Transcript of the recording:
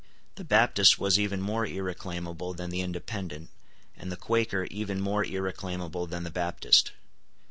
The Baptist was even more irreclaimable than the Independent, and the Quaker even more irreclaimable than the Baptist.